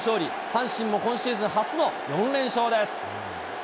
阪神も今シーズン初の４連勝です。